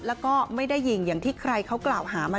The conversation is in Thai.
แล้วก็ไม่ได้ยิงอย่างที่ใครเขากล่าวหามา